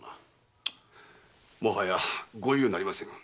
もはやご猶予なりません。